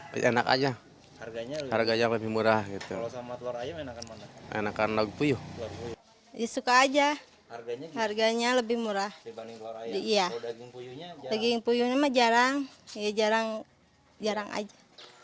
pemerintah kota bandung mengajak warganya untuk memulai bisnis peternakan di tengah kota